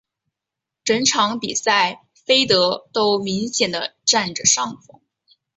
整场比赛菲德都明显的占着上风。